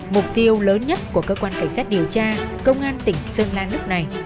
mục tiêu lớn nhất của cơ quan cảnh sát điều tra công an tỉnh sơn lan lúc này